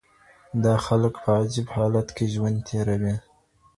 دا خلګ په عجيب حالت کي ژوند تېروي.